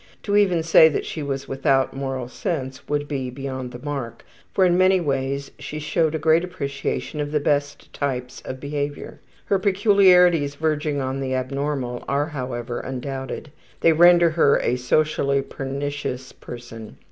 To even say that she was without moral sense would be beyond the mark, for in many ways she showed great appreciation of the best types of behavior. Her peculiarities verging on the abnormal are, however, undoubted; they render her a socially pernicious person.